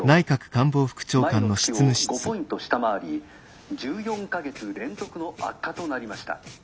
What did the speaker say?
前の月を５ポイント下回り１４か月連続の悪化となりました。